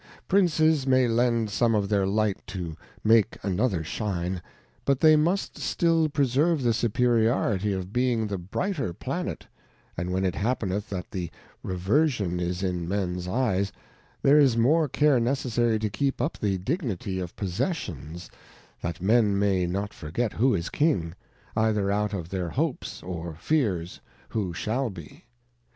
Princes may lend some of their Light to make another shine, but they must still preserve the superiority of being the brighter Planet, and when it happeneth that the Reversion is in Mens Eyes, there is more care necessary to keep up the Dignity of Possessions, that Men may not forget who is King, either out of their hopes or fears who shall be.